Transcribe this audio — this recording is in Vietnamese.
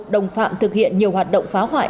một mươi một đồng phạm thực hiện nhiều hoạt động phá hoại